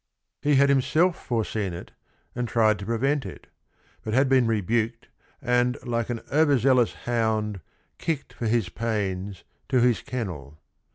He had himself foreseen it and tried to pre vent it ; but had been rebuked and, like an over zealous hound, "kicked, for his pains, to his kennel."